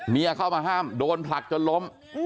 เมียเข้ามาห้ามโดนผลักจนล้ม